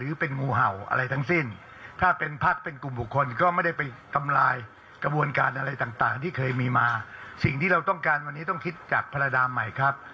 เราก็จะทำรายเป็นปาร์ลาดามใหม่ครับ